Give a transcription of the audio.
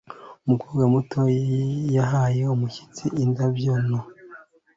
Umukobwa muto yahaye umushyitsi indabyo nto.